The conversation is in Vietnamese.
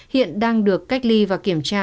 hiện đang được cách ly và kiểm tra